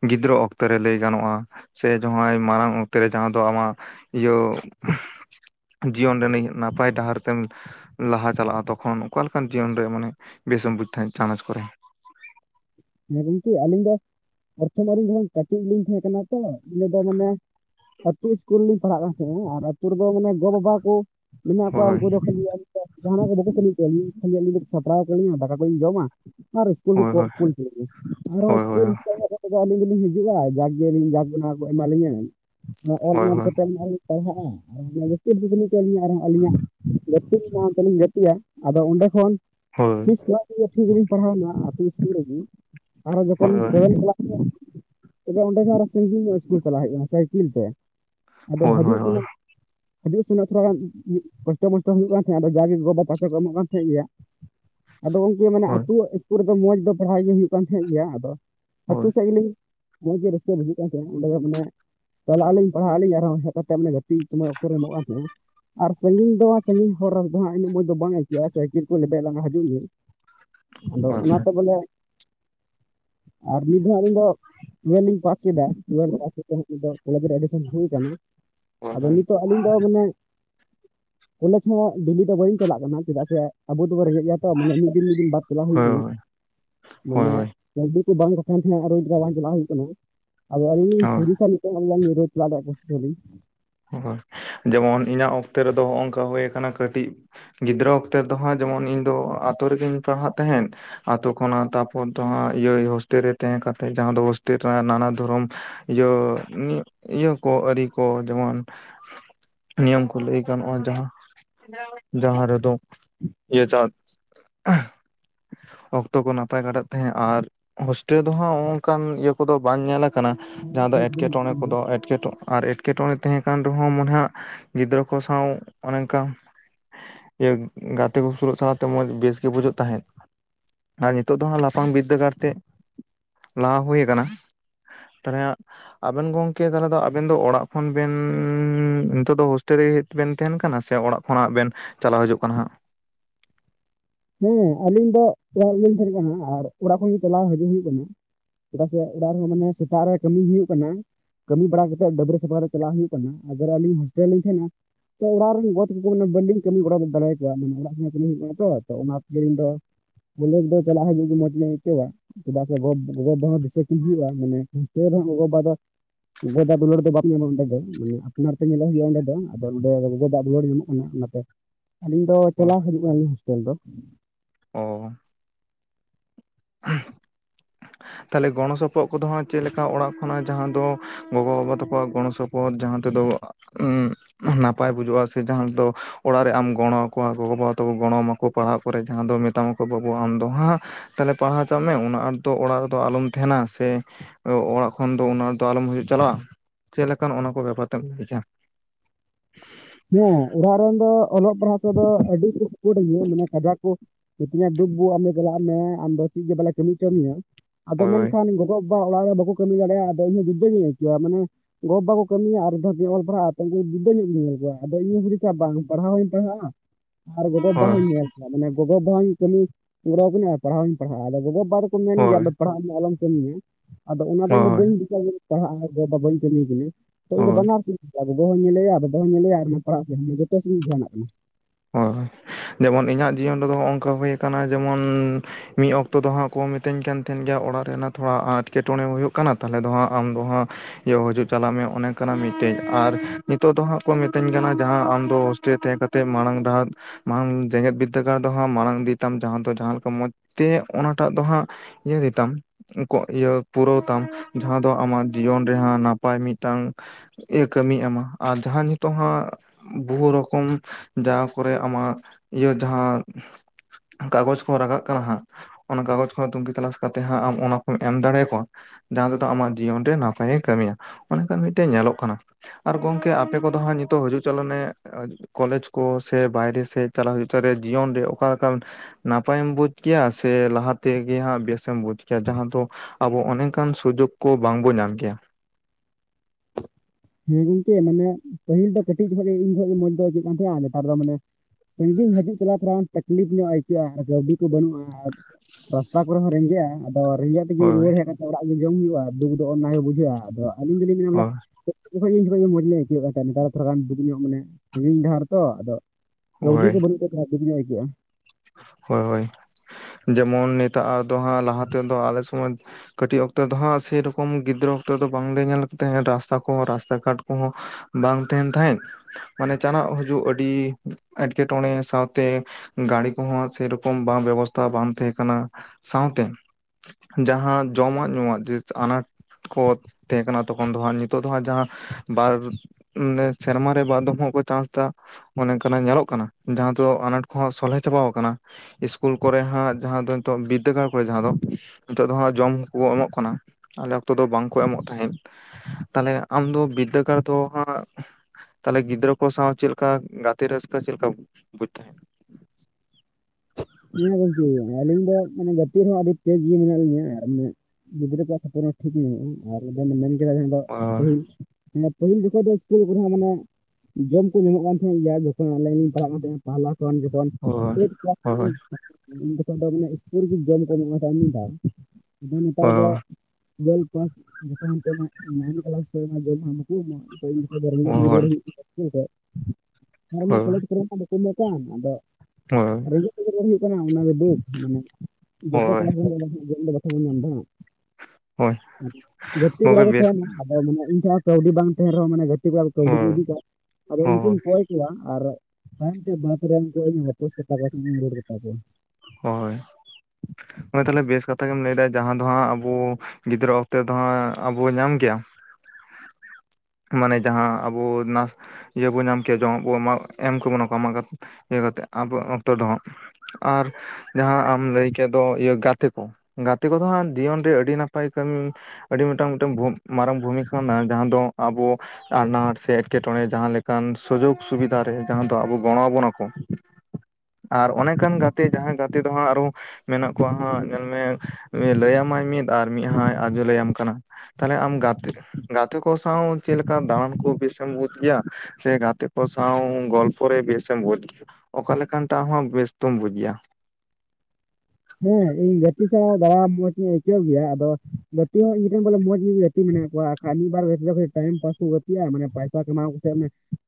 ᱜᱤᱫᱽᱨᱟᱹ ᱚᱠᱛᱮ ᱨᱮᱞᱮᱼᱼ ᱜᱟᱱᱚᱜᱼᱟ, ᱥᱮ ᱡᱟᱦᱟᱸᱭ ᱢᱟᱨᱟᱝ ᱚᱠᱛᱮ ᱨᱮ ᱡᱟᱦᱟᱸ ᱫᱚ ᱟᱢᱟᱜ ᱤᱭᱟᱹᱼᱼ ᱡᱤᱭᱚᱱ ᱨᱮᱟᱹᱱᱤᱡ ᱱᱟᱯᱟᱭ ᱰᱟᱦᱟᱨ ᱛᱮᱢᱼᱼ ᱞᱟᱦᱟ ᱪᱟᱞᱟᱜᱼᱟ ᱾ᱛᱚᱠᱷᱚᱱ ᱚᱠᱟᱞᱮᱠᱟᱱ ᱡᱤᱭᱚᱱ ᱨᱮ ᱢᱟᱱᱮ ᱵᱮᱥᱮᱢ ᱵᱩᱡᱽ ᱛᱟᱦᱮᱸᱱᱟ? ᱪᱟᱱᱟᱪ ᱠᱚᱨᱮ ᱦᱮᱸ ᱜᱚᱝᱠᱮ ᱟᱞᱤᱧ ᱫᱚ ᱯᱨᱚᱛᱷᱚᱢ ᱵᱟᱨ ᱟᱹᱞᱤᱧ ᱫᱚ ᱠᱟᱹᱴᱤᱡ ᱞᱤᱧ ᱛᱟᱦᱮᱸ ᱠᱟᱱᱟ ᱛᱚ ᱤᱱᱟᱹ ᱫᱚ ᱢᱟᱱᱮᱼᱼ ᱟᱛᱩ ᱤᱥᱠᱩᱞ ᱨᱮᱞᱤᱧ ᱯᱟᱲᱦᱟᱜ ᱠᱟᱱ ᱛᱟᱦᱮᱸᱱᱟ, ᱦᱮᱸ ᱟᱨ ᱟᱛᱩ ᱨᱮᱫᱚ ᱢᱟᱱᱮ ᱜᱚᱼ ᱵᱟᱵᱟ ᱠᱚ ᱢᱮᱱᱟᱜ ᱠᱚᱣᱟ ᱦᱳᱭ ᱩᱱᱠᱩ ᱫᱚ ᱠᱷᱟᱹᱞᱤ ᱟᱭᱼᱼ ᱡᱟᱦᱟᱱᱟᱜ ᱠᱚ ᱵᱟᱠᱚ ᱠᱩᱞᱤᱭᱮᱫ ᱠᱚᱧ ᱠᱷᱟᱹᱞᱤ ᱟᱹᱞᱤᱧ ᱫᱚᱠᱚ ᱥᱟᱯᱲᱟᱣ ᱟᱠᱟ ᱞᱤᱧᱟ ᱫᱟᱠᱟ ᱠᱚᱞᱤᱧ ᱡᱚᱢᱟ ᱟᱨ ᱤᱥᱠᱩᱞ ᱦᱳᱭ ᱠᱚᱼᱼ ᱦᱳᱭ ᱟᱨᱦᱚᱸ ᱦᱳᱭ ᱦᱳᱭ ᱤᱥᱠᱩᱞ ᱠᱟᱛᱮᱮᱫ ᱫᱚ ᱟᱹᱞᱤᱧ ᱫᱚᱞᱤᱧ ᱦᱤᱡᱩᱜᱼᱟ ᱡᱟᱠ ᱡᱤᱭᱟᱹᱞᱤᱧ ᱡᱟᱠ ᱵᱮᱚᱱᱟᱣ ᱠᱚ ᱮᱢᱟᱞᱤᱧᱟᱹ ᱚᱱᱟ ᱚᱞ ᱧᱮᱞ ᱠᱟᱛᱮ ᱞᱤᱧ ᱯᱟᱲᱦᱟᱜᱟ <unintelligible> ᱜᱱ ᱛᱮᱞᱤᱧ ᱟᱨᱦᱚᱸ ᱟᱹᱞᱤᱧᱟᱜ ᱜᱟᱛᱮ ᱥᱟᱶ ᱛᱮᱞᱤᱧ ᱜᱟᱛᱮᱜᱼᱟ ᱟᱫᱚ ᱚᱸᱰᱮ ᱠᱷᱚᱱᱼᱼ ᱤᱥ ᱴᱷᱤᱠᱤᱧ ᱯᱟᱲᱦᱟᱣ ᱢᱟ <unintelligible> <unintelligible> ᱟᱨᱚ ᱡᱚᱠᱷᱚᱱ ᱥᱮᱵᱷᱮᱱ ᱠᱮᱞᱟᱥ ᱨᱮ ᱛᱚᱵᱮ ᱚᱸᱰᱮ ᱡᱟᱦᱟᱸᱚ ᱥᱤᱜᱤᱝ ᱤᱥᱠᱩᱞ ᱪᱟᱞᱟᱜ ᱦᱩᱭᱩᱜ ᱠᱟᱱᱟ ᱥᱟᱭᱠᱮᱞ ᱛᱮ ᱟᱫᱚ ᱦᱤᱡᱩᱜ ᱥᱮᱱᱚᱜᱼᱼ ᱦᱤᱡᱩᱜ ᱥᱮᱱᱚᱜ ᱛᱷᱚᱲᱟ ᱜᱟᱱ ᱠᱚᱥᱴᱚ ᱢᱚᱥᱥᱴᱚ ᱦᱩᱭᱩᱜ ᱠᱟᱱ ᱛᱟᱦᱮᱸᱜ ᱟᱫᱚ ᱡᱟᱜᱮ ᱜᱚᱵᱟ ᱯᱚᱭᱥᱟ ᱠᱚ ᱮᱢᱚᱜ ᱠᱟᱱ ᱛᱟᱦᱮᱸᱫ ᱜᱮᱭᱟ᱾ <inaudible> ᱟᱫᱚ ᱜᱚᱢᱠᱮ ᱢᱟᱱᱮ ᱟᱹᱛᱩ ᱤᱥᱠᱩᱞ ᱨᱮᱫᱚ ᱢᱚᱡᱽ ᱫᱚ ᱯᱟᱲᱦᱟᱣ ᱜᱮ ᱦᱩᱭᱩᱜ ᱠᱟᱱ ᱛᱟᱦᱮᱸᱫ ᱜᱮᱭᱟ ᱟᱫᱚ ᱟᱹᱛᱩᱳ ᱥᱮᱫ ᱜᱮᱞᱤᱧᱼᱼ ᱢᱚᱡᱽ ᱜᱮ ᱨᱟᱹᱥᱠᱟᱹ ᱵᱩᱡᱷᱟᱹᱜ ᱠᱟᱱ ᱛᱟᱦᱮᱸᱱᱟ ᱚᱸᱰᱮ ᱫᱚ ᱢᱟᱱᱮ ᱪᱟᱞᱟᱜ ᱟᱹᱞᱤᱧ ᱯᱟᱲᱦᱟᱜ ᱟᱹᱞᱤᱧ ᱟᱨᱦᱚᱸᱼᱼ ᱛᱮ ᱜᱟᱛᱮᱜ ᱥᱚᱢᱚᱭ ᱚᱠᱥᱚᱨᱮ ᱮᱢᱚᱜ ᱠᱟᱱ ᱛᱟᱦᱮᱸᱦᱼᱟ ᱟᱨ ᱥᱟᱹᱜᱤᱧ ᱫᱚ ᱥᱟᱺᱜᱤᱧ ᱦᱚᱲ ᱨᱟᱥ ᱫᱚ ᱦᱟᱸ ᱤᱱᱟᱹᱜ ᱢᱚᱡᱽ ᱫᱚ ᱵᱟᱝ ᱟᱹᱭᱠᱟᱹᱜᱼᱟᱟᱭᱠᱮᱞ ᱠᱚ ᱞᱮᱵᱮᱫ ᱞᱟᱝᱜᱟ ᱦᱤᱡᱩᱜ ᱜᱮ ᱟᱫᱚ ᱚᱱᱟᱛᱮ ᱵᱚᱞᱮᱼᱼ ᱟᱨ ᱢᱤᱫ ᱫᱷᱟᱣ ᱟᱹᱞᱤᱧ ᱫᱚ ᱴᱩᱭᱮᱞᱵᱵᱷ ᱤᱧ ᱯᱟᱥ ᱠᱮᱫᱟ ᱴᱩᱭᱮᱞᱵ ᱯᱟᱥ ᱠᱟᱛᱮᱼᱼ ᱠᱚᱞᱮᱡᱽ ᱨᱮ ᱮᱰᱢᱤᱥᱚᱱ ᱦᱩᱭ ᱟᱠᱟᱱᱟ ᱟᱫᱚ ᱱᱤᱛᱚᱜᱼᱼ ᱟᱹᱞᱤᱧ ᱫᱚ ᱢᱟᱱᱮ ᱠᱚᱞᱮᱡᱽ ᱦᱚᱸ ᱰᱮᱞᱤ ᱫᱚ ᱵᱟᱹᱞᱤᱧ ᱪᱟᱞᱟᱜ ᱠᱟᱱᱟ, ᱪᱮᱫᱟᱜ ᱥᱮ ᱟᱵᱚ ᱫᱚᱵᱚᱱ ᱨᱮᱸᱜᱮᱡ ᱜᱮᱭᱟᱼᱼ ᱢᱟᱱᱮ ᱢᱤᱫ ᱫᱤᱱ ᱢᱤᱫ ᱫᱤᱱ ᱵᱟᱫ ᱪᱟᱞᱟ ᱦᱩᱭᱩᱜ ᱠᱟᱱᱟ᱾ ᱢᱟᱱᱮ ᱦᱳᱭ ᱦᱳᱭ ᱠᱟᱹᱣᱰᱤ ᱠᱚ ᱵᱟᱝᱠᱚ ᱠᱟᱱ ᱛᱟᱦᱮᱸᱱᱟ ᱨᱳᱡᱽᱟᱨ ᱵᱟᱝ ᱪᱟᱟᱜᱣ ᱦᱩᱭᱩᱜ ᱠᱟᱱᱟ ᱟᱫᱚ ᱟᱹᱞᱤᱧ ᱞᱤᱧ ᱦᱩᱡᱤᱥᱟᱱᱼᱼ ᱨᱳᱡᱽ ᱪᱟᱞᱟᱜ <unintelligible> ᱦᱳᱭ ᱡᱮᱢᱚᱱ ᱤᱧᱟᱹᱜ ᱚᱠᱛᱮ ᱨᱮᱫᱚ ᱦᱚᱜ ᱱᱚᱝᱠᱟ ᱦᱩᱭ ᱠᱟᱱᱟ ᱠᱟᱹᱴᱤᱡᱼᱼ ᱜᱤᱫᱽᱨᱟᱹ ᱚᱠᱛᱮ ᱫᱚ ᱦᱟᱸᱜ ᱡᱮᱢᱚᱱ ᱤᱧ ᱫᱚ ᱟᱛᱳ ᱨᱮᱜᱤᱧ ᱯᱟᱲᱦᱟᱜ ᱛᱟᱦᱮᱸᱫ, ᱟᱨ ᱛᱳᱠᱷᱚᱱᱟᱜ ᱛᱟᱨᱯᱚᱨ ᱫᱚ ᱦᱳᱥᱴᱮᱞ ᱨᱮ ᱛᱟᱦᱮᱸ ᱠᱟᱛᱮ ᱡᱟᱦᱟᱸ ᱫᱚ ᱦᱳᱥᱴᱮᱞ ᱨᱮ ᱱᱟᱱᱟ ᱫᱷᱚᱨᱚᱢ ᱤᱭᱟᱹ ᱤᱭᱟᱹ ᱠᱚ ᱟᱹᱨᱤ ᱠᱚ ᱡᱮᱢᱚᱱᱼᱼ ᱱᱤᱭᱚᱢ ᱠᱚ ᱞᱟᱹᱭ ᱜᱟᱱᱚᱜᱼᱟ ᱡᱟᱦᱟᱸ ᱡᱟᱦᱟᱸ ᱨᱮᱫᱚ ᱤᱭᱟᱹ ᱪᱟ ᱚᱠᱛᱚ ᱠᱚ ᱱᱟᱯᱟᱭ ᱠᱟᱰᱟᱜ ᱛᱟᱦᱮᱸᱜ ᱟᱨ ᱦᱳᱥᱴᱮᱞ ᱨᱮ ᱦᱟᱸᱜ ᱱᱚᱝᱠᱟᱱ ᱤᱭᱟᱹ ᱠᱚᱫᱚ ᱵᱟᱝ ᱧᱮᱞᱼᱼ ᱠᱟᱱᱟ ᱡᱟᱦᱟᱸ ᱫᱚ ᱮᱴᱠᱮᱴᱚᱬᱮ ᱠᱚᱫᱚ ᱮᱴᱠᱮ ᱟᱨ ᱮᱴᱠᱮᱴᱚᱬᱮᱼᱼ ᱛᱟᱦᱮᱸ ᱠᱟᱱ ᱨᱮᱦᱚᱸ ᱢᱚᱱᱮ ᱦᱟᱜ ᱜᱤᱫᱽᱨᱟᱹ ᱠᱚ ᱥᱟᱶ ᱚᱱᱮᱠᱟ᱾ ᱤᱭᱟᱹ ᱜᱟᱛᱮ ᱠᱚ ᱥᱩᱞᱩᱜ ᱥᱟᱞᱟᱜᱛᱮ ᱢᱚᱸᱡᱽ ᱵᱮᱥ ᱜᱮ ᱵᱩᱡᱟᱹᱜ ᱛᱟᱦᱮᱸᱫ᱾ ᱟᱨ ᱱᱤᱛᱚᱜ ᱫᱚ ᱦᱟᱸᱜ ᱞᱟᱯᱷᱟᱝ ᱵᱤᱫᱽᱫᱟᱹᱜᱟᱲ ᱛᱮᱼᱼ ᱞᱟᱦᱟ ᱦᱩᱭ ᱟᱠᱟᱱᱟ ᱛᱟᱦᱚᱞᱮ ᱟᱵᱮᱱ ᱜᱚᱢᱠᱮ ᱛᱟᱦᱚᱞᱮ ᱟᱵᱮᱱ ᱫᱚ ᱚᱲᱟᱜ ᱠᱷᱚᱱᱼᱼ ᱟᱵᱮᱱ ᱱᱤᱛᱚᱜ ᱫᱚ ᱦᱳᱥᱴᱮᱞ ᱨᱮ ᱵᱮᱱ ᱛᱟᱦᱮᱱ ᱠᱟᱱᱟ ᱥᱮ ᱚᱲᱟᱜ ᱠᱷᱚᱱᱟᱜ ᱵᱮᱱ ᱪᱟᱞᱟᱣ ᱦᱤᱡᱩᱜ ᱠᱟᱱᱟ ᱦᱟᱸᱜ? ᱦᱮᱸ ᱟᱞᱤᱧ ᱫᱚ ᱚᱲᱟᱜ ᱨᱮ ᱞᱤᱧ ᱛᱟᱦᱮᱸ ᱠᱟᱱᱟ ᱟᱨ ᱚᱲᱟᱜ ᱠᱷᱚᱱᱟᱜ ᱪᱟᱞᱟᱣ ᱦᱤᱡᱩᱜ ᱦᱩᱭᱩᱜ ᱠᱟᱱᱟ᱾ ᱪᱮᱫᱟᱜ ᱥᱮ ᱚᱲᱟᱜ ᱨᱮᱦᱚᱸ ᱢᱟᱱᱮ ᱥᱮᱛᱟᱜ ᱨᱮ ᱠᱟᱹᱢᱤ ᱦᱩᱭᱩᱜ ᱠᱟᱱᱟ᱾ ᱠᱟᱹᱢᱤ ᱵᱟᱲᱟ ᱠᱟᱛᱮᱫ ᱰᱟᱹᱵᱨᱟᱹ ᱥᱟᱯᱷᱟ ᱠᱟᱛᱮ ᱪᱟᱞᱟᱜ ᱦᱩᱭᱩᱜ ᱠᱟᱱᱟ ᱟᱫᱚ ᱟᱹᱞᱤᱧ ᱦᱳᱥᱴᱮᱞ ᱞᱤᱧ ᱛᱟᱦᱮᱸᱱᱟᱼᱼ ᱛᱚ ᱚᱲᱟᱜ ᱨᱮ ᱵᱟᱹᱫᱽ ᱠᱚᱠᱚ ᱢᱟᱱᱮ ᱵᱟᱹᱞᱤᱝ ᱠᱟᱹᱢᱤ ᱠᱚᱲᱟ ᱫᱟᱲᱮᱭᱟ ᱠᱚᱣᱟ ᱢᱟᱱᱮ ᱚᱲᱟᱜ ᱥᱮᱱᱟᱜ ᱠᱟᱹᱢᱤ ᱦᱩᱭᱩᱜ ᱠᱟᱱᱟ ᱛᱚ ᱛᱚ ᱚᱱᱟ ᱛᱮᱜᱮ ᱤᱧᱫᱚ ᱠᱟᱞᱮᱡᱽ ᱫᱚ ᱪᱟᱞᱟᱜ ᱦᱤᱡᱩᱜ ᱜᱮ ᱢᱚᱡᱽᱞᱤᱧ ᱟᱹᱭᱠᱟᱹᱣᱟ᱾ ᱪᱮᱫᱟᱜ ᱥᱮ ᱜᱚ ᱜᱚᱜᱚ ᱵᱟᱵᱟ ᱦᱚᱸ ᱫᱤᱥᱟᱹ ᱠᱤᱱ ᱦᱩᱭᱩᱜᱼᱟ ᱢᱟᱱᱮ ᱦᱩᱥᱟᱹ ᱨᱮ ᱜᱚᱜᱚᱼᱵᱟ ᱫᱚᱼᱼ ᱜᱚᱜᱚ ᱫᱟᱜ ᱫᱩᱞᱟᱹᱲ ᱫᱚ ᱵᱟᱢ ᱧᱟᱢᱚᱜ ᱚᱸᱰᱮ ᱫᱚ ᱜᱚᱜᱚ ᱵᱟᱵᱟ ᱟᱜ ᱫᱩᱞᱟᱹᱲ ᱫᱚ ᱵᱟᱝ ᱧᱟᱢᱚᱜᱼᱟ ᱚᱸᱰᱮ ᱫᱚ ᱢᱟᱱᱮ ᱟᱯᱱᱟᱨ ᱛᱮ ᱧᱮᱞᱚᱜ ᱦᱩᱭᱩᱜᱼᱟ ᱚᱸᱰᱮ ᱫᱚ ᱟᱫᱚ ᱚᱸᱰᱮ ᱜᱚᱜᱚ ᱵᱟ ᱫᱩᱞᱟᱹᱲ ᱧᱟᱢᱚᱜ ᱠᱟᱱᱟ ᱚᱱᱟᱼᱼ ᱟᱹᱞᱤᱧ ᱫᱚ ᱪᱟᱞᱟᱣ ᱦᱤᱡᱩᱜ ᱠᱟᱱᱟᱞᱤᱧ ᱦᱳᱥᱴᱮᱞ ᱫᱚᱼᱼ ᱚ ᱦᱮᱸ ᱛᱟᱦᱞᱮ ᱜᱚᱲᱚ ᱥᱚᱯᱚᱦᱚᱫ ᱠᱚᱫᱚ ᱦᱟᱸᱜ ᱪᱮᱫ ᱞᱮᱠᱟ ᱚᱲᱟᱜ ᱠᱷᱚᱱᱟᱜ ᱡᱟᱦᱟᱸ ᱫᱚᱼᱼ ᱜᱚᱜᱚᱼᱵᱟᱵᱟ ᱛᱟᱠᱚᱣᱟᱜ ᱜᱚᱲᱚ ᱥᱚᱯᱚᱦᱚᱫ ᱡᱟᱦᱟᱸ ᱛᱮᱫᱚ ᱮᱸ ᱱᱟᱯᱟᱭ ᱵᱩᱡᱷᱩᱜᱼᱟ ᱥᱮ ᱡᱟᱦᱟᱸᱭ ᱫᱚ ᱚᱲᱟᱜ ᱨᱮ ᱟᱢ ᱜᱚᱲᱚ ᱟᱠᱚᱣᱟ ᱜᱚᱜᱚ ᱵᱟᱵᱟ ᱛᱟᱠᱚ ᱜᱚᱲᱚᱣᱟᱢᱟᱠᱚ ᱯᱟᱲᱦᱟᱜ ᱯᱚᱨᱮ ᱡᱟᱦᱟᱸ ᱫᱚ ᱢᱮᱛᱟᱢᱟᱠᱚ ᱵᱟᱹᱵᱩ ᱟᱢ ᱫᱚ ᱦᱟᱸᱜ ᱛᱟᱦᱚᱞᱮ ᱯᱟᱲᱦᱟᱣ ᱪᱟᱜ ᱢᱮ ᱚᱱᱟ ᱟᱢ ᱫᱚ ᱚᱲᱟᱜ ᱛᱚ ᱟᱞᱚᱢ ᱛᱟᱦᱮᱱᱟ ᱥᱮ ᱚᱲᱟᱜ ᱠᱷᱚᱱ ᱫᱚ ᱩᱱᱟᱹᱜ ᱫᱚ ᱟᱞᱚᱢ ᱦᱤᱡᱩᱜ ᱪᱟᱞᱟᱜᱼᱟ ᱪᱮᱫ ᱞᱮᱠᱟᱱ ᱚᱱᱟ ᱠᱚ ᱵᱮᱯᱟᱨᱛᱮᱢ ᱞᱟᱹᱭᱮᱫᱼᱟ ᱦᱮᱸ ᱚᱲᱟᱜ ᱨᱮᱱ ᱫᱚ ᱚᱞᱚᱜ ᱯᱟᱲᱦᱟᱜ ᱥᱮᱫ ᱫᱚ ᱟᱹᱰᱤ ᱠᱚ ᱥᱟᱯᱳᱴ ᱤᱱᱟ ᱢᱟᱱᱮ ᱠᱟᱡᱟ ᱠᱚ ᱥᱤᱠᱷᱱᱟᱹᱛ ᱫᱤᱠ ᱫᱤᱭᱮ ᱟᱢ ᱫᱚ ᱪᱟᱞᱟᱜ ᱢᱮ ᱟᱢᱫᱚ ᱪᱮᱫ ᱜᱮ ᱵᱟᱞᱮ ᱠᱟᱹᱢᱤ ᱦᱚᱪᱚ ᱢᱮᱭᱟ ᱟᱫᱚ ᱦᱳᱭ ᱢᱮᱱᱠᱷᱟᱱ ᱜᱚᱜᱚ ᱵᱟᱵᱟ ᱚᱲᱟᱜ ᱨᱮ ᱵᱟᱠᱚ ᱠᱟᱹᱢᱤ ᱫᱟᱲᱮᱭᱟᱜᱼᱟ ᱟᱫᱚᱧ ᱵᱤᱫᱫᱟᱹ ᱜᱮᱧ ᱟᱹᱭᱠᱟᱹᱣᱟ ᱢᱟᱱᱮ ᱜᱚ ᱵᱟᱵᱟ ᱠᱚ ᱠᱟᱹᱢᱤᱭᱟ ᱟᱨ ᱡᱟᱦᱟᱸ ᱚᱞ ᱯᱟᱲᱦᱟᱜᱼᱟ ᱩᱱᱠᱩ ᱡᱩᱫᱟᱹ ᱧᱚᱜ ᱜᱮ ᱧᱮᱞ ᱠᱚᱣᱟ ᱟᱫᱚ ᱤᱧᱤᱧ ᱦᱩᱫᱤᱥᱟ ᱵᱟᱝ ᱯᱟᱲᱦᱟᱣ ᱦᱚᱧ ᱯᱟᱲᱦᱟᱜᱼᱟ ᱟᱨ ᱜᱚᱜᱚ ᱵᱟᱵᱟ ᱦᱳᱭ ᱦᱚᱧ ᱧᱮᱞ ᱠᱤᱱᱟ ᱢᱟᱱᱮ ᱜᱚᱜᱚᱵᱟᱵᱟ ᱦᱚᱧ ᱠᱟᱹᱢᱤ ᱜᱚᱲᱚᱭᱟ ᱠᱤᱱᱟ ᱟᱨ ᱯᱟᱲᱦᱟᱣ ᱦᱚᱧ ᱯᱟᱲᱦᱟᱜᱼᱟ ᱟᱫᱚ ᱜᱚᱜᱚᱼᱵᱟ ᱫᱚᱠᱚ ᱢᱮᱱ ᱜᱮᱭᱟ ᱦᱳᱭ ᱫᱚ ᱯᱟᱲᱦᱟᱜ ᱢᱮ ᱟᱞᱚᱢ ᱠᱟᱹᱢᱤᱭᱟ ᱟᱫᱚ ᱚᱱᱟ ᱫᱚ ᱤᱧᱫᱚ ᱦᱳᱭ ᱵᱟᱹᱧ ᱵᱩᱡᱟ ᱯᱟᱲᱦᱟᱜᱼᱟ ᱜᱮ ᱵᱟ ᱵᱟᱹᱧ ᱠᱟᱹᱢᱤ ᱫᱟᱰᱨᱜ-ᱟ᱾ ᱛᱚ ᱤᱧ ᱫᱚ ᱦᱳᱭ ᱵᱟᱱᱟᱨ ᱥᱮᱫ ᱤᱧ ᱪᱟᱞᱟᱜᱼᱟ ᱜᱚᱜᱚ ᱦᱚᱧ ᱧᱮᱞᱮᱭᱟ ᱵᱟᱵᱟ ᱦᱚᱸᱧ ᱧᱮᱞᱮᱭᱟ ᱟᱨ ᱚᱱᱟ ᱯᱟᱲᱦᱟᱜ ᱥᱮᱫ ᱫᱚ ᱡᱚᱛᱚ ᱥᱮᱫ ᱤᱧ ᱫᱷᱮᱭᱟᱱᱟᱜ ᱠᱟᱱᱟ ᱦᱳᱭ ᱡᱮᱢᱚᱱ ᱤᱧᱟᱹᱜ ᱡᱤᱭᱚᱱ ᱨᱮᱫᱚ ᱱᱚᱜ ᱱᱚᱝᱠᱟ ᱦᱩᱭ ᱠᱟᱱᱟ ᱡᱮᱢᱚᱱ ᱢᱤᱫ ᱚᱠᱛᱚ ᱫᱚ ᱦᱟᱸᱜ ᱠᱚ ᱢᱤᱛᱟᱹᱧ ᱠᱟᱱ ᱛᱟᱦᱮᱱ ᱜᱮᱭᱟ ᱚᱲᱟᱜ ᱨᱮ ᱛᱷᱚᱲᱟ ᱮᱸᱴᱠᱮᱴᱚᱲᱮ ᱦᱩᱭᱩᱜ ᱠᱟᱱᱟ ᱛᱟᱦᱚᱞᱮ ᱫᱚ ᱦᱟᱸᱜ ᱟᱢ ᱫᱚ ᱦᱟᱸᱜ ᱤᱭᱟᱹ ᱦᱤᱡᱩᱜ ᱪᱟᱞᱟᱜ ᱢᱮ ᱚᱱᱮ ᱠᱟᱱᱟ ᱢᱤᱫᱴᱮᱡ ᱟᱨ ᱱᱤᱛᱚᱜ ᱫᱚ ᱦᱟᱸᱜ ᱠᱚ ᱢᱤᱛᱟᱹᱧ ᱠᱟᱱᱟ ᱡᱟᱦᱟᱸ ᱟᱢᱫᱚ ᱦᱳᱥᱴᱮᱞ ᱛᱟᱦᱮᱸ ᱠᱟᱛᱮ ᱢᱟᱲᱟᱝ ᱫᱷᱟ ᱢᱟᱲᱟᱝ ᱡᱮᱜᱮᱛ ᱵᱤᱫᱽᱫᱟᱹᱜᱟᱲ ᱨᱮᱦᱚᱸ ᱢᱟᱲᱟᱝ ᱤᱫ ᱛᱟᱢ ᱡᱟᱦᱟᱸ ᱫᱚ ᱡᱟᱦᱟᱸ ᱞᱮᱠᱟ ᱢᱚᱡᱽ ᱛᱮ ᱚᱱᱟᱴᱟᱜ ᱫᱚ ᱦᱟᱸᱜ ᱤᱭᱟᱹ ᱤᱫᱤ ᱛᱟᱢ ᱤᱭᱟᱹ ᱯᱩᱨᱟᱹᱣ ᱛᱟᱢ ᱡᱟᱦᱟᱸ ᱫᱚ ᱟᱢᱟᱜ ᱡᱤᱭᱚᱱ ᱨᱮ ᱦᱟᱸᱜ ᱱᱟᱯᱟᱭ ᱢᱤᱫᱴᱟᱝ ᱤᱭᱟᱹ ᱠᱟᱹᱢᱤᱭ ᱮᱢᱟ ᱟᱨ ᱡᱟᱦᱟᱸ ᱱᱤᱛᱚᱜ ᱦᱟᱸᱜ ᱵᱚᱦᱩ ᱨᱚᱠᱚᱢ ᱡᱟᱦᱟᱸ ᱠᱚᱨᱮ ᱟᱢᱟᱜ ᱤᱭᱟᱹ ᱡᱟᱦᱟᱸ ᱠᱟᱜᱚᱡᱽ ᱠᱚ ᱨᱟᱜᱟᱜ ᱠᱟᱱᱟ ᱦᱟᱸᱜ ᱚᱱᱟ ᱠᱟᱜᱚᱡᱽ ᱠᱚ ᱛᱩᱝᱠᱷᱤ ᱛᱟᱞᱟᱥ ᱠᱟᱛᱮ ᱦᱟᱸᱜ ᱟᱢ ᱚᱱᱟ ᱠᱚᱢ ᱮᱢ ᱫᱟᱲᱮᱭᱟ ᱠᱚᱣᱟ ᱡᱟᱦᱟᱸ ᱛᱮᱫᱚ ᱟᱢᱟᱜ ᱡᱤᱭᱚᱱ ᱨᱮ ᱱᱟᱯᱟᱭᱮ ᱠᱟᱹᱢᱤᱭᱟ ᱚᱱᱮᱠᱷᱟᱱ ᱢᱤᱫᱴᱮᱡ ᱧᱮᱞᱚᱜ ᱠᱟᱱᱟ ᱟᱨ ᱜᱚᱝᱠᱮ ᱟᱯᱮ ᱠᱚᱫᱚ ᱦᱟᱸᱜ ᱱᱤᱛᱚᱜ ᱦᱤᱡᱩᱜ ᱪᱟᱞᱟᱜ ᱠᱚᱞᱮᱡᱽ ᱠᱚ ᱥᱮ ᱵᱟᱭᱨᱮ ᱥᱮᱫ ᱪᱟᱞᱟᱜ ᱦᱩᱭᱩᱜ ᱨᱮ ᱡᱤᱭᱚᱱ ᱨᱮ ᱚᱠᱟ ᱞᱮᱠᱟᱱ ᱱᱟᱯᱟᱭᱮᱢ ᱵᱩᱡ ᱠᱮᱭᱟ ᱥᱮ ᱞᱟᱦᱟ ᱛᱮᱜᱮ ᱦᱟᱸᱜ ᱵᱮᱥᱮᱢ ᱵᱩᱡ ᱠᱮᱭᱟ ᱡᱟᱦᱟᱸ ᱫᱚ ᱟᱵᱚ ᱚᱱᱮᱠᱟᱱ ᱥᱩᱡᱳᱜ ᱠᱚ ᱵᱟᱝᱵᱚᱱ ᱧᱟᱢ ᱠᱮᱭᱟ ᱦᱮᱸ ᱜᱚᱝᱠᱮ ᱢᱟᱱᱮ ᱯᱟᱹᱦᱤᱞ ᱫᱚ ᱠᱟᱹᱴᱤᱡ ᱠᱷᱚᱱ ᱜᱮ ᱩᱱᱤ ᱦᱚ ᱢᱚᱸᱡᱽ ᱫᱚ ᱟᱹᱭᱠᱟᱹᱜ ᱠᱟᱱ ᱛᱟᱦᱮᱸᱱᱟᱼᱟ ᱱᱮᱛᱟᱨ ᱫᱚ ᱢᱟᱱᱮ ᱥᱟᱺᱜᱤᱧ ᱦᱤᱡᱩᱜ ᱪᱟᱞᱟ ᱯᱷᱮᱨᱟ ᱛᱷᱚᱲᱟ ᱛᱟᱠᱞᱤᱯ ᱧᱚᱜ ᱟᱹᱭᱠᱟᱹᱜᱼᱟ ᱟᱨ ᱠᱟᱹᱣᱰᱤ ᱠᱚ ᱵᱟᱹᱱᱩᱜᱼᱟ ᱟᱨ ᱨᱟᱥᱛᱟ ᱠᱚᱨᱮ ᱦᱚᱸ ᱨᱮᱸᱜᱮᱡ ᱟ ᱟᱫᱚ ᱨᱮᱸᱜᱮᱡ ᱛᱮᱜᱮ ᱦᱳᱭ ᱨᱩᱣᱟᱹᱲ ᱦᱮᱡ ᱠᱟᱛᱮ ᱚᱲᱟᱜ ᱜᱮ ᱡᱚᱢ ᱦᱩᱭᱩᱜᱼᱟ ᱫᱩᱠᱷ ᱫᱚ ᱚᱱᱟ ᱜᱮ ᱵᱩᱡᱷᱟᱹᱜᱼᱟ ᱟᱫᱚ ᱟᱹᱞᱤᱧ ᱫᱚᱞᱤᱧ ᱢᱮᱱᱟ ᱵᱚᱞᱮ ᱦᱳᱭ ᱡᱚᱠᱷᱚᱡ ᱤᱧ ᱡᱚᱠᱷᱚᱡ ᱜᱮ ᱢᱚᱡᱽᱤᱧ ᱟᱹᱭᱠᱟᱹᱣ ᱠᱟᱱ ᱛᱟᱦᱮᱸ ᱱᱮᱛᱟᱨ ᱛᱷᱚᱲᱟ ᱜᱟᱱ ᱧᱚᱜ ᱥᱟᱺᱜᱤᱧ ᱰᱟᱦᱟᱨ ᱛᱚ ᱟᱫᱚ ᱠᱟᱹᱣᱰᱤ ᱦᱳᱭ ᱠᱚ ᱵᱟᱹᱱᱩᱜ ᱛᱮ ᱛᱷᱚᱲᱟ ᱫᱩᱠᱷ ᱧᱚᱜ ᱟᱹᱭᱠᱟᱹᱜᱼᱟ ᱦᱳᱭ ᱦᱳᱭ ᱡᱮᱢᱚᱱ ᱱᱮᱛᱟᱨ ᱫᱚ ᱦᱟᱸᱜ ᱞᱟᱦᱟ ᱛᱮᱫᱚ ᱟᱞᱮ ᱥᱚᱢᱚᱭ ᱠᱟᱹᱴᱤᱡ ᱚᱠᱛᱚ ᱫᱚ ᱦᱟᱸᱜ ᱥᱮᱨᱚᱠᱚᱢ ᱜᱤᱫᱽᱨᱟᱹ ᱚᱠᱛᱚ ᱫᱚ ᱵᱟᱝ ᱞᱮ ᱧᱮᱞ ᱟᱠᱟᱫ ᱛᱟᱦᱮᱸᱫ ᱨᱟᱥᱛᱟ ᱠᱚᱦᱚᱸ ᱨᱟᱥᱛᱟ ᱜᱷᱟᱴ ᱠᱚᱦᱚᱸ ᱵᱟᱝ ᱛᱟᱦᱮᱱ ᱛᱟᱦᱮᱸᱫ ᱢᱟᱱᱮ ᱪᱟᱞᱟᱜ ᱦᱤᱡᱩᱜ ᱟᱹᱰᱤ ᱮᱸᱴᱠᱮᱴᱚᱲᱮ ᱥᱟᱶᱛᱮ ᱜᱟᱲᱤ ᱠᱚᱦᱚᱸ ᱥᱮᱨᱚᱠᱚᱢ ᱵᱟᱝ ᱵᱮᱵᱚᱥᱛᱷᱟ ᱵᱟᱝ ᱛᱟᱦᱮᱸ ᱠᱟᱱᱟ ᱥᱟᱶᱛᱮ ᱡᱟᱦᱟᱸ ᱡᱚᱢᱟᱜ ᱧᱩᱣᱟᱜ ᱡᱮᱦᱮᱛᱩ ᱟᱱᱟᱴ ᱠᱚ ᱛᱟᱦᱮᱸ ᱠᱟᱱᱟ ᱛᱚᱠᱷᱚᱱ ᱫᱚ ᱦᱟᱸᱜ ᱱᱤᱛᱚᱜ ᱫᱚ ᱦᱟᱸᱜ ᱡᱟᱦᱟᱸ ᱵᱟᱨ ᱥᱮᱨᱢᱟ ᱨᱮ ᱵᱟᱨ ᱫᱷᱟᱣ ᱦᱚᱸᱠᱚ ᱪᱟᱥ ᱮᱫᱟ ᱚᱱᱮ ᱚᱱᱠᱟᱱᱟᱜ ᱧᱮᱞᱚᱜ ᱠᱟᱱᱟ ᱡᱟᱦᱟᱸ ᱫᱚ ᱟᱱᱟᱴ ᱠᱚᱦᱚᱸ ᱥᱚᱞᱦᱮ ᱪᱟᱵᱟ ᱟᱠᱟᱱᱟ ᱠᱟᱱᱟ ᱤᱥᱠᱩᱞ ᱠᱚᱨᱮ ᱦᱟᱸᱜ ᱡᱟᱦᱟᱸ ᱫᱚ ᱱᱤᱛᱚᱜ ᱵᱤᱫᱽᱫᱟᱹᱜᱟᱲ ᱠᱚᱨᱮ ᱡᱟᱦᱟᱸ ᱫᱚ ᱱᱤᱛᱚᱜ ᱫᱚ ᱦᱟᱸᱜ ᱡᱚᱢ ᱠᱚ ᱮᱢᱚᱜ ᱠᱟᱱᱟ ᱟᱞᱮ ᱚᱠᱛᱚ ᱫᱚ ᱵᱟᱝᱠᱚ ᱮᱢᱚᱜ ᱛᱟᱦᱮᱸᱫ ᱛᱟᱞᱦᱮ ᱟᱢ ᱫᱚ ᱵᱤᱫᱽᱫᱟᱹᱜᱟᱲ ᱫᱚ ᱦᱟᱸᱜ ᱛᱟᱦᱚᱞᱮ ᱜᱤᱫᱽᱨᱟᱹ ᱠᱚ ᱥᱟᱶ ᱪᱮᱫ ᱞᱮᱠᱟ ᱜᱟᱛᱮ ᱨᱟᱹᱥᱠᱟᱹ ᱪᱮᱫ ᱞᱮᱠᱟ ᱵᱩᱡ ᱛᱟᱦᱮᱸᱫ, ᱦᱮᱸ ᱜᱚᱝᱠᱮ ᱟᱹᱞᱤᱧ ᱫᱚ ᱢᱟᱱᱮ ᱜᱟᱛᱮᱜ ᱨᱮᱦᱚᱸ ᱟᱹᱰᱤ ᱛᱮᱡ <unintelligible> ᱜᱮ ᱢᱮᱱᱟᱜ ᱞᱤᱧᱟ ᱟᱨ ᱢᱟᱱᱮ, ᱜᱤᱫᱽᱨᱟᱹ ᱠᱚᱣᱟᱜ ᱥᱟᱯᱳᱨᱴ ᱦᱚᱸ ᱴᱷᱤᱠ ᱧᱟᱢᱚᱜᱼᱟ ᱟᱨ ᱚᱱᱟ ᱢᱮᱱ ᱠᱮᱫᱟ ᱡᱟᱦᱟᱸ ᱫᱚ ᱦᱳᱭ ᱯᱟᱹᱦᱤᱞ, ᱦᱮᱸ ᱯᱟᱹᱦᱤᱞ ᱡᱚᱠᱷᱚᱱ ᱫᱚ ᱤᱥᱠᱩᱞ ᱠᱚᱨᱮ ᱦᱚᱸ ᱢᱟᱱᱮ ᱡᱚᱢ ᱠᱚ ᱧᱟᱢᱚᱜ ᱠᱟᱱ ᱛᱟᱦᱮᱸᱫ ᱜᱮᱭᱟ ᱡᱚᱠᱷᱚᱱ ᱚᱱᱞᱟᱭᱤᱱ ᱤᱧ ᱯᱟᱲᱦᱟᱜ ᱠᱟᱱ ᱛᱟᱦᱮᱸᱫ, ᱢᱟᱦᱞᱟ ᱠᱷᱚᱱ ᱡᱚᱠᱷᱚᱱ ᱦᱳᱭ ᱴᱮᱴ ᱯᱟᱥ ᱠᱮᱜᱼ ᱟᱧ, ᱦᱳᱭ ᱩᱱ ᱡᱚᱠᱷᱚᱱ ᱫᱚ ᱢᱟᱱᱮ ᱤᱥᱠᱩᱞ ᱨᱮᱜᱮ ᱡᱚᱢ ᱠᱚ ᱮᱢᱚᱜ ᱠᱟᱱ ᱛᱟᱦᱮᱸ ᱢᱤᱫ ᱫᱷᱟᱣ ᱟᱫᱚ ᱱᱮᱛᱟᱨ ᱦᱳᱭ ᱫᱚ ᱴᱩᱭᱮᱞᱵᱷ, <unintelligible> ᱱᱟᱭᱤᱱᱛᱷ ᱠᱞᱟᱥ ᱠᱚ ᱢᱟ ᱡᱚᱢ ᱢᱟ ᱵᱟᱠᱚ ᱮᱢᱚᱜ, ᱫᱷᱢ ᱜ <unintelligible> ᱨᱤᱭᱟᱹ ᱦᱳᱭ ᱨᱩᱣᱟᱹᱧ ᱤᱠᱟᱹᱣ ᱦᱳᱭ ᱠᱟᱜ ᱠᱚᱞᱮᱡᱽ <unintelligible> ᱠᱚᱢ ᱟᱠᱟᱱ ᱟᱫᱚ ᱦᱳᱭ ᱨᱮᱸᱜᱮᱡ ᱛᱮ ᱫᱚ ᱦᱩᱭᱩᱜ ᱠᱟᱱᱟ ᱚᱱᱟ ᱫᱚ ᱫᱩᱠᱷ ᱢᱟᱱᱮ ᱡᱚᱛᱚ ᱦᱳᱭ ᱦᱳᱭ ᱠᱞᱟᱥ, ᱡᱚᱢ ᱫᱚ ᱵᱟᱛᱷᱟ ᱵᱚᱱ ᱧᱟᱢ ᱮ ᱟᱨ ᱜᱟᱛᱮ ᱠᱚᱲᱟ ᱜᱚᱝᱠᱮ ᱠᱚ ᱵᱮᱥ ᱛᱟᱦᱮᱱᱟ᱾ ᱟᱫᱚ ᱢᱟᱱᱮ ᱤᱧ ᱴᱷᱮᱱ ᱦᱚᱸ ᱠᱟᱹᱣᱰᱤ ᱵᱟᱝ ᱛᱟᱦᱮᱱ ᱨᱮᱦᱚᱸ ᱢᱟᱱᱮ ᱜᱟᱛᱮ ᱠᱚᱲᱟ ᱠᱟᱹᱣᱰᱤ ᱠᱚ ᱦᱳᱭ ᱤᱫᱤ ᱠᱟᱜ ᱟᱫᱚ ᱦᱳᱭ ᱩᱱᱠᱩᱧ ᱠᱚᱭ, ᱠᱚᱣᱟ ᱟᱨ ᱛᱟᱭᱚᱢ ᱛᱮ ᱵᱟᱫᱽ ᱨᱮᱱᱠᱩ ᱤᱧ ᱵᱟᱯᱚᱥ ᱠᱟᱛᱟ ᱠᱚᱣᱟ ᱥᱮ ᱤᱧᱤᱧ ᱨᱩᱟᱹᱲ ᱠᱟᱛᱟ ᱠᱚᱣᱟ᱾ ᱦᱳᱭ ᱛᱟᱦᱚᱞᱮ ᱵᱮᱥ ᱠᱟᱛᱷᱟ ᱜᱮᱢ ᱞᱟᱹᱭ ᱮᱫᱟ ᱡᱟᱦᱟᱸ ᱫᱚ ᱦᱟᱸᱜ ᱟᱵᱚ, ᱜᱤᱫᱽᱨᱟᱹ ᱚᱠᱛᱮ ᱫᱚ ᱦᱟᱸᱜ ᱟᱵᱚ ᱧᱟᱢ ᱜᱮᱭᱟᱢ᱾ <inaudible> ᱢᱟᱱᱮ ᱡᱟᱦᱟᱸ ᱟᱵᱚ ᱱᱟ, ᱤᱭᱟᱹ ᱵᱚᱱ ᱧᱟᱢ ᱠᱮᱭᱟ ᱡᱮ ᱵᱚᱟᱜ ᱮᱢ ᱠᱚᱵᱚ ᱠᱚ ᱤᱭᱟᱹ ᱠᱟᱛᱮᱫ ᱟᱵᱚ ᱚᱠᱛᱚ ᱫᱚ ᱦᱟᱸᱜ, ᱟᱨ, ᱡᱟᱦᱟᱸ ᱟᱢ ᱞᱟᱹᱭ ᱠᱮᱫ ᱫᱚ ᱜᱟᱛᱮ ᱠᱚ ᱜᱟᱛᱮ ᱠᱚᱫᱚ ᱦᱟᱸᱜ ᱡᱤᱭᱚᱱ ᱨᱮ ᱟᱹᱰᱤ ᱱᱟᱯᱟᱭ ᱠᱟᱹᱢᱤ, ᱟᱹᱰᱤ ᱢᱤᱫᱴᱟᱝ ᱢᱤᱫᱴᱟᱝ ᱢᱟᱨᱟᱝ ᱵᱷᱩᱢᱤᱠᱟ ᱢᱮᱱᱟᱜᱼᱟ ᱡᱟᱦᱟᱸ ᱫᱚ ᱟᱵᱚ, ᱟᱱᱟᱴ ᱥᱮ ᱮᱴᱠᱮᱴᱚᱬᱮ ᱡᱟᱦᱟᱸ ᱞᱮᱠᱟᱱ ᱥᱩᱡᱳᱜᱽ ᱥᱩᱵᱤᱫᱷᱟ ᱨᱮ ᱡᱟᱦᱟᱸ ᱫᱚ ᱟᱵᱚ ᱜᱚᱲᱚ ᱟᱵᱚᱱᱟ ᱠᱚ᱾ <inaudible> ᱟᱨ ᱚᱱᱮᱠᱟᱱ ᱜᱟᱛᱮ ᱡᱟᱦᱟᱸ ᱜᱟᱛᱮ ᱫᱚ ᱦᱟᱸᱜ ᱟᱨᱚ, ᱢᱮᱱᱟᱜ ᱠᱚᱣᱟ ᱦᱟᱸᱜ ᱧᱮᱞᱢᱮ ᱞᱟᱹᱭᱟᱢᱟᱭ ᱢᱤᱫ ᱟᱨ ᱢᱤᱫ ᱦᱟᱸᱜ ᱟᱡᱮ ᱞᱟᱹᱭᱟᱢ ᱠᱟᱱᱟ᱾ ᱛᱟᱦᱞᱮ ᱟᱢ ᱜᱟᱛᱮ ᱜᱟᱛᱮ ᱠᱚ ᱥᱟᱶ ᱪᱮᱫ ᱞᱮᱠᱟ ᱫᱟᱬᱟᱱ ᱠᱚ ᱵᱮᱥᱮᱢ ᱵᱩᱡᱽ ᱜᱮᱭᱟ? ᱥᱮ ᱜᱟᱛᱮ ᱠᱚ ᱥᱟᱶ ᱜᱚᱞᱯᱚ ᱨᱮ ᱵᱮᱥᱮᱢ ᱵᱩᱡ ᱜᱮᱭᱟ ᱚᱠᱟ ᱞᱮᱠᱟᱱᱴᱟᱜ ᱦᱚᱸ ᱵᱮᱥ ᱫᱚᱢ ᱵᱩᱡ ᱜᱮᱭᱟ? <inaudible> ᱦᱮᱸ ᱤᱧ ᱜᱟᱛᱮ ᱥᱟᱶ ᱫᱟᱬᱟ ᱢᱚᱸᱡᱽ ᱤᱧ ᱟᱹᱭᱠᱟᱹᱣ ᱜᱮᱭᱟ ᱟᱫᱚ, ᱜᱟᱛᱮ ᱦᱚᱸ ᱤᱧ ᱨᱮᱱ ᱵᱚᱞᱮ ᱢᱚᱸᱡᱽ ᱜᱮ ᱜᱟᱛᱮ ᱦᱚᱸ ᱤᱧ <unintelligible> ᱢᱮᱱᱟᱜ ᱠᱚᱣᱟ ᱠᱷᱟᱹᱞᱤ ᱵᱟᱨ ᱜᱟᱛᱮ ᱫᱚ ᱴᱟᱭᱤᱢ ᱯᱟᱥ ᱠᱚ ᱜᱟᱛᱮᱜᱼᱟ ᱢᱟᱱᱮ ᱯᱟᱭ, ᱥᱟ ᱠᱟᱢᱟᱣ ᱥᱮ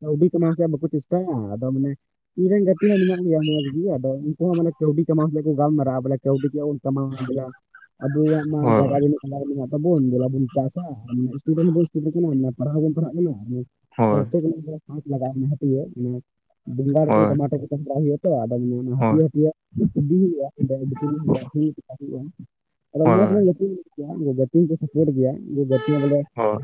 ᱠᱟᱹᱣᱰᱤ ᱠᱟᱢᱟᱣ ᱥᱮᱫ ᱵᱟᱠᱚ ᱪᱮᱥᱴᱟᱭᱟ ᱟᱫᱚ ᱢᱟᱱᱮ, ᱤᱧᱨᱮ ᱨᱮᱱ ᱜᱟᱛᱮ ᱦᱚᱸ ᱢᱮᱱᱟᱜ ᱜᱮᱭᱟ ᱢᱚᱸᱡᱽᱜᱮ ᱟᱫᱚ ᱩᱱᱠᱩ ᱦᱚᱸ ᱢᱟᱱᱮ ᱠᱟᱹᱣᱰᱤ ᱠᱟᱢᱟᱣ <unintelligible> ᱠᱚ ᱜᱟᱞᱢᱟᱨᱟᱜᱼᱟ᱾ ᱚᱞᱮ ᱠᱟᱹᱣᱰᱤ ᱪᱮᱠᱟ ᱵᱚᱱ ᱠᱟᱢᱟᱣᱟ ᱵᱚᱞᱮ ᱟᱵᱚᱣᱟᱜ ᱢᱟ ᱦᱳᱭ ᱡᱟᱜᱟ ᱵᱟᱱᱩᱜ, ᱛᱟᱵᱚᱱ ᱫᱮᱞᱟᱵᱚᱱ ᱪᱟᱥᱟ ᱥᱴᱩᱰᱮᱱᱴ ᱵᱚᱱ ᱥᱴᱩᱰᱮᱱᱴ ᱠᱟᱱᱟ ᱯᱟᱲᱟᱦ ᱦᱚᱸ ᱵᱚᱱ ᱯᱟᱲᱦᱟᱜ ᱠᱟᱱᱟ ᱟᱨ, ᱦᱳᱭ ᱯᱨᱚᱛᱮᱠ ᱡᱤᱱᱤᱥ ᱜᱮ ᱪᱟᱥ ᱞᱟᱜᱟᱜᱼᱟ <unintelligible> <unintelligible> ᱵᱮᱸᱜᱟᱲ ᱠᱚ ᱦᱳᱭ ᱴᱟᱢᱟᱴᱚ ᱠᱚ ᱦᱩᱭᱩᱜ, <unintelligible> ᱟᱫᱚ ᱦᱳᱭ ᱦᱟᱴᱤᱭᱟᱹ ᱦᱟᱴᱤᱭᱟᱹ ᱠᱷᱤᱫᱤᱭᱟ <unintelligible> <unintelligible> ᱦᱩᱭᱩᱜᱼᱟ ᱟᱫᱚ ᱢᱚᱡᱽ ᱦᱳᱭ ᱜᱮ ᱜᱟᱹᱛᱤᱜ, <unintelligible> ᱜᱟᱛᱮ ᱠᱚ ᱥᱟᱯᱚᱴ ᱜᱮᱭᱟ ᱩᱱᱠᱩ ᱜᱟᱛᱮ ᱦᱚᱸ ᱵᱚᱞᱮ ᱦᱳᱭ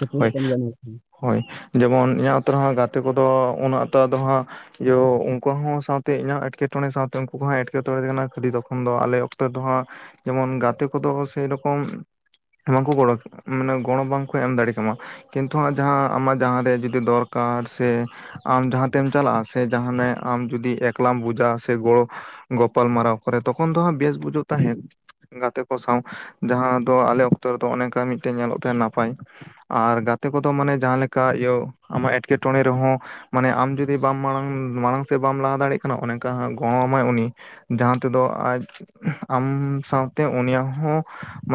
ᱥᱟᱯᱚᱴᱮᱜ ᱦᱳᱭ ᱠᱟᱱ ᱜᱮᱭᱟ ᱱᱚᱣᱟ ᱠᱚ᱾ ᱦᱳᱭ ᱡᱮᱢᱚᱱ ᱤᱧᱟᱹᱜ ᱟᱸᱛᱩ ᱨᱮᱦ ᱜᱟᱛᱮ ᱠᱚᱫᱚ ᱩᱱᱟᱹᱜ ᱩᱛᱟᱹᱨ ᱫᱚ ᱦᱟᱸᱜ, ᱤᱭᱚ ᱩᱱᱠᱩ ᱦᱚᱸ ᱥᱟᱶᱛᱮ ᱤᱧᱟᱹᱜ ᱮᱴᱠᱮᱴᱚᱬᱮ ᱥᱟᱶᱛᱮ ᱩᱱᱠᱩ ᱠᱚᱦᱚᱸ ᱮᱴᱠᱮᱴᱚᱬᱮ ᱠᱟᱱᱟ ᱠᱷᱟᱹᱞᱤ ᱛᱚᱠᱷᱚᱱ ᱫᱚ ᱟᱞᱮ ᱚᱠᱛᱚ ᱫᱚ ᱦᱟᱸᱜ, ᱡᱮᱢᱚᱱ ᱜᱟᱛᱮ ᱠᱚᱫᱚ ᱥᱮᱨᱚᱠᱚᱢ ᱵᱟᱝᱠᱚ ᱜᱚᱲᱚ ᱢᱟᱱᱮ ᱜᱚᱲᱚ ᱵᱟᱝᱠᱚ ᱮᱢ ᱫᱟᱲᱮᱜ, ᱢᱟ ᱠᱤᱱᱛᱩ ᱦᱟᱸᱜ ᱡᱟᱦᱟᱸ ᱟᱢᱟᱜ ᱡᱟᱦᱟᱸᱨᱮ ᱡᱩᱫᱤ ᱫᱚᱨᱠᱟᱨ ᱥᱮ, ᱟᱢ ᱡᱟᱦᱟᱸᱛᱮᱢ ᱪᱟᱞᱟᱜᱼᱟ ᱥᱮ ᱡᱟᱦᱟᱸᱱᱟᱜ ᱟᱢ ᱡᱩᱫᱤ ᱮᱠᱞᱟᱢ ᱵᱩᱡᱟ ᱥᱮ ᱜᱚᱲᱚ, ᱜᱚᱯᱟᱞ ᱢᱟᱨᱟᱣ ᱠᱚᱨᱮ ᱛᱚᱠᱷᱚᱱ ᱫᱚᱦᱟᱸᱜ ᱵᱮᱥ ᱵᱩᱡᱟᱹᱜ ᱛᱟᱦᱮᱸᱫ᱾ ᱜᱟᱛᱮ ᱠᱚ ᱥᱟᱶ ᱡᱟᱦᱟᱸ ᱫᱚ ᱟᱞᱮ ᱚᱠᱛᱚ ᱨᱮᱫᱚ ᱚᱱᱮᱠᱟ ᱢᱤᱫᱴᱮᱱ ᱧᱮᱞᱚᱜ ᱛᱟᱦᱮᱸ ᱱᱟᱯᱟᱭ, ᱟᱨ ᱜᱟᱛᱮ ᱠᱚᱫᱚ ᱢᱟᱱᱮ ᱡᱟᱦᱟᱸ ᱞᱮᱠᱟ ᱤᱭᱟᱹ ᱟᱢᱟᱜ ᱮᱴᱠᱮᱴᱚᱬᱮ ᱨᱮᱦᱚᱸ, ᱢᱟᱱᱮ ᱟᱢ ᱡᱩᱫᱤ ᱵᱟᱢ ᱢᱟᱲᱟᱝ ᱢᱟᱲᱟᱝ ᱥᱮᱫ ᱵᱟᱢ ᱞᱟᱦᱟ ᱫᱟᱲᱮᱭᱟᱜ ᱠᱟᱱᱟ ᱚᱱᱮ ᱚᱱᱠᱟ ᱜᱚᱲᱚ ᱟᱢᱟᱭ ᱩᱱᱤ ᱡᱟᱦᱟᱸ ᱛᱮᱫᱚ ᱟᱡ ᱟᱢ ᱥᱟᱶᱛᱮ ᱩᱱᱤᱭᱟᱜ ᱦᱚᱸ